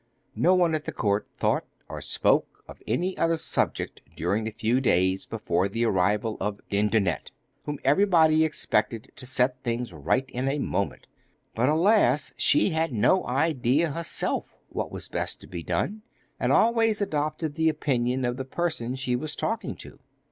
No one at the court thought or spoke of any other subject during the few days before the arrival of Dindonette, whom everybody expected to set things right in a moment. But, alas! she had no idea herself what was best to be done, and always adopted the opinion of the person she was talking to.